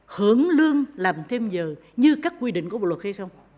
hưởng lương làm thêm giờ như các quy định của bộ luật hay không